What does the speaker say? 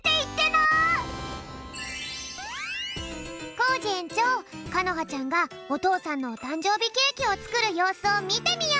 コージえんちょうかのはちゃんがおとうさんのおたんじょうびケーキをつくるようすをみてみよう！